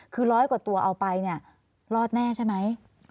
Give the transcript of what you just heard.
คือร้อยกว่าตัวเอาไปเนี่ยรอดแน่ใช่ไหม